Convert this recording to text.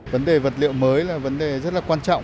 vấn đề vật liệu mới là vấn đề rất là quan trọng